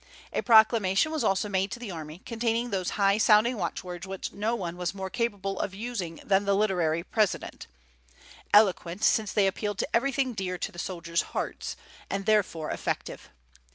A proclamation was also made to the army, containing those high sounding watchwords which no one was more capable of using than the literary President, eloquent, since they appealed to everything dear to the soldiers' hearts, and therefore effective.